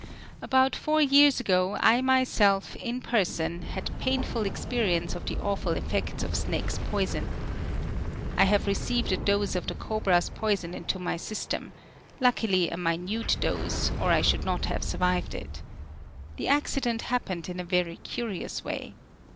About four years ago I myself, in person, had painful experience of the awful effects of snake's poison. I have received a dose of the cobra's poison into my system; luckily a minute dose, or I should not have survived it. The accident happened in a very curious way.